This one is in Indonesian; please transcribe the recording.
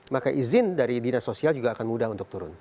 maka izin dari dinas sosial juga akan mudah untuk turun